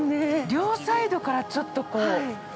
◆両サイドから、ちょっとこう。